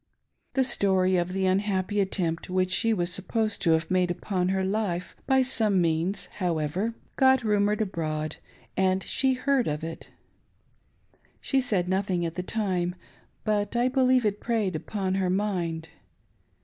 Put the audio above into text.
The story of the unhappy attempt REST AT LAST. 575 which she was supposed to have made upon her life, by some means, however, got rumored abroad, and she heard of it She said nothing at the time, but I believe it preyed upon her mind.